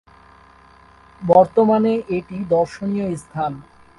বর্তমানে এটি দর্শনীয় স্থান।